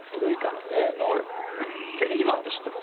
もうテリーマンって知ってます？